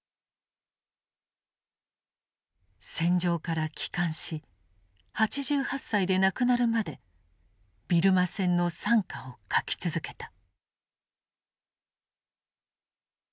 戦場から帰還し８８歳で亡くなるまでビルマ戦の惨禍を書き続けた。